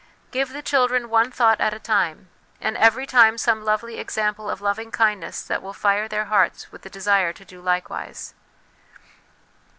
Give the children one thought at a time, and every time some lovely example of loving kindness that will fire their hearts with the desire to do likewise.